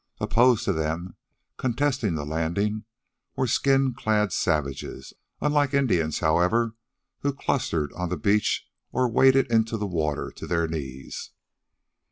Opposed to them, contesting the landing, were skin clad savages, unlike Indians, however, who clustered on the beach or waded into the water to their knees.